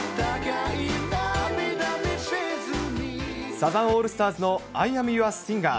サザンオールスターズのアイ・アム・ユア・シンガー。